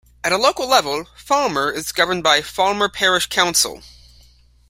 At a local level Falmer is governed by Falmer Parish Council.